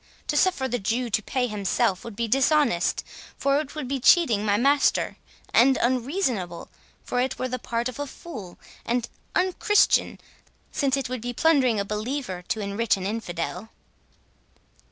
To suffer the Jew to pay himself would be dishonest, for it would be cheating my master; and unreasonable, for it were the part of a fool; and unchristian, since it would be plundering a believer to enrich an infidel."